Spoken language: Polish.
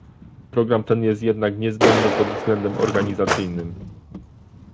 Program ten jest jednak niezbędny pod względem organizacyjnym